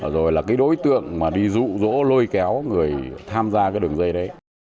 rồi là cái đối tượng mà đi rụ rỗ lôi kéo người tham gia cái đường dây đấy